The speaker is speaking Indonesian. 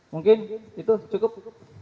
mungkin itu cukup